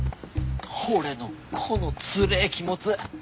俺のこのつれぇ気持ち。